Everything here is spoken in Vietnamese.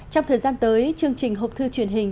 trong thời gian tới chương trình hộp thư truyền hình